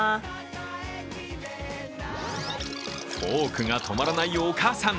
フォークが止まらないお母さん。